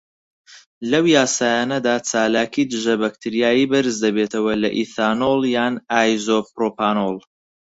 لەو یاسایانەدا، چالاکی دژەبەکتریایی بەرزدەبێتەوە لە ئیثانۆڵ یان ئایزۆپڕۆپانۆڵ.